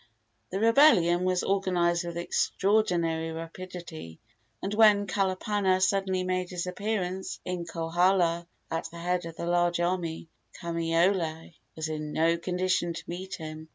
The rebellion was organized with extraordinary rapidity, and when Kalapana suddenly made his appearance in Kohala at the head of a large army, Kamaiole was in no condition to meet him.